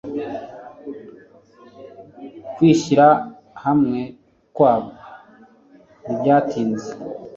kwishyira hamwe kwabo ntibyatinze